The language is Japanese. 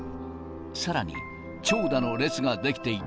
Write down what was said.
さらに、長蛇の列が出来ていた